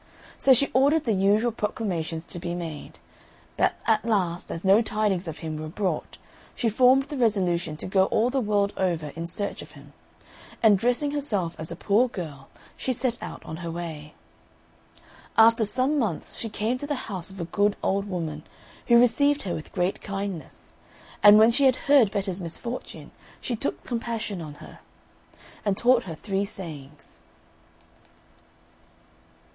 So she ordered the usual proclamations to be made; but at last, as no tidings of him were brought, she formed the resolution to go all the world over in search of him, and dressing herself as a poor girl, she set out on her way. After some months she came to the house of a good old woman, who received her with great kindness; and when she had heard Betta's misfortune, she took compassion on her, and taught her three sayings.